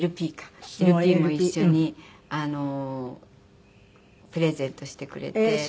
ＬＰも一緒にプレゼントしてくれて。